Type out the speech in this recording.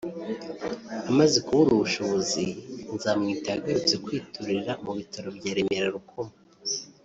Amaze kubura ubushobozi Nzamwita yagarutse kwiturira mu bitaro bya Remera Rukoma